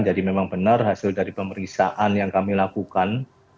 jadi memang benar hasil dari pemeriksaan yang kami lakukan